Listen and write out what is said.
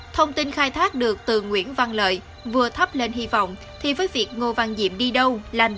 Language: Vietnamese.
thông tin khai thác được từ nguyễn văn lợi vừa thắp lên hy vọng thì với việc ngô văn diệm đi đâu làm